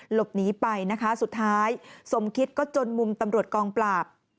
หลบหนีไปนะคะสุดท้ายสมคิดก็จนมุมตำรวจกองปราบ